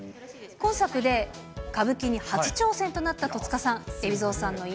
今作で歌舞伎に初挑戦となった戸塚さん。